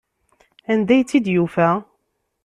Anda ay tt-id-yufa?